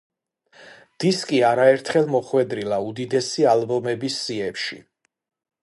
დისკი არაერთხელ მოხვედრილა უდიდესი ალბომების სიებში.